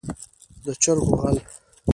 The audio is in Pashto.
د چرګو غل.